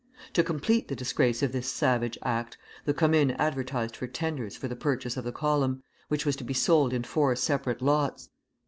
To complete the disgrace of this savage act, the Commune advertised for tenders for the purchase of the column, which was to be sold in four separate lots.